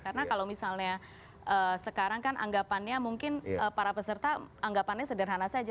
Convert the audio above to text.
karena kalau misalnya sekarang kan anggapannya mungkin para peserta anggapannya sederhana saja